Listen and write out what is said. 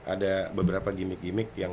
ada beberapa gimmick gimmick yang